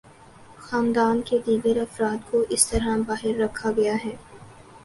خاندان کے دیگر افراد کو اس طرح باہر رکھا گیا ہے۔